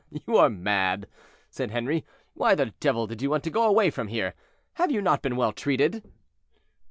"You are mad," said Henri. "Why the devil did you want to go away from here, have you not been well treated?"